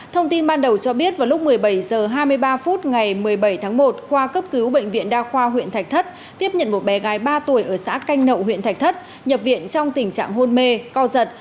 thông tin ban đầu cho biết vào lúc một mươi bảy h hai mươi ba phút ngày một mươi bảy tháng một khoa cấp cứu bệnh viện đa khoa huyện thạch thất tiếp nhận một bé gái ba tuổi ở xã canh nậu huyện thạch thất nhập viện trong tình trạng hôn mê co giật